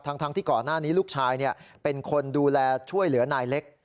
ทั้งที่ก่อนหน้านี้ลูกชายเป็นคนดูแลช่วยเหลือนายเล็ก